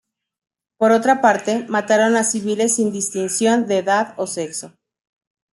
Por otra parte, mataron a civiles sin distinción de edad o sexo.